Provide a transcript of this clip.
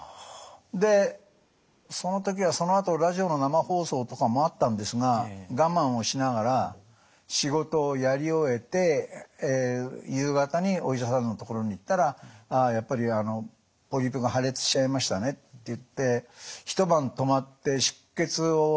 でその時はそのあとラジオの生放送とかもあったんですが我慢をしながら仕事をやり終えて夕方にお医者さんのところに行ったら「ああやっぱりポリープが破裂しちゃいましたね」って言って一晩泊まって出血を止めることができるかってやった。